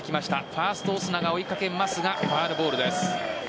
ファーストオスナが追いかけますがファウルボールです。